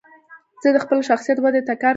زه د خپل شخصیت ودي ته کار کوم.